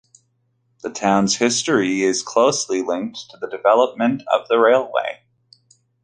The town's history is closely linked to the development of the railway.